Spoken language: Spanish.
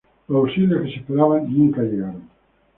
Los auxilios que se esperaban nunca llegaron.